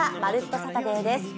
サタデー」です。